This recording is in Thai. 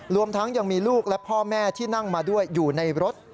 รวมทั้งยังมีลูกและพ่อแม่ที่นั่งมาด้วยอยู่ในรถ